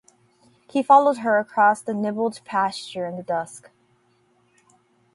He followed her across the nibbled pasture in the dusk.